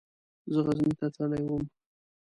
زه غزني ته تللی وم.